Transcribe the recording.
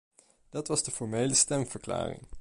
Dat was de formele stemverklaring.